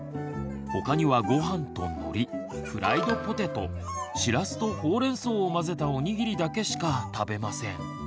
他にはごはんとのりフライドポテトしらすとほうれんそうを混ぜたおにぎりだけしか食べません。